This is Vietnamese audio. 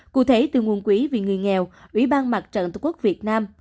cụ thể từ nguồn quỹ vì người nghèo ủy ban mặt trận tổ quốc việt nam